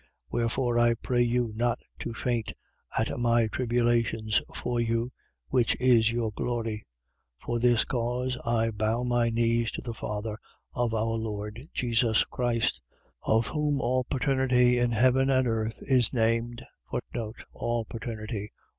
3:13. Wherefore I pray you not to faint at my tribulations for you, which is your glory. 3:14. For this cause I bow my knees to the Father of our Lord Jesus Christ, 3:15. Of whom all paternity in heaven and earth is named: All paternity.